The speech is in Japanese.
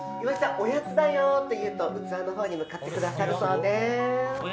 おやつだよと言うと器のほうに向かってくださるそうです。